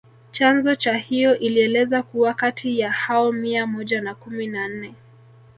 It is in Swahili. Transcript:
Chanzo cha hiyo ilieleza kuwa kati ya hao mia moja na kumi na nne